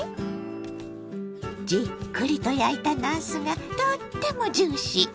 じっくりと焼いたなすがとってもジューシー。